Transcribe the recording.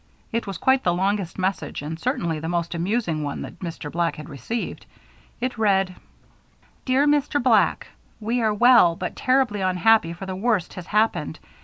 It was quite the longest message and certainly the most amusing one that Mr. Black had ever received. It read: "DEAR MR. BLACK, "We are well but terribly unhappy for the worst has happened.